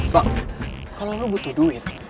bak kalau lo butuh duit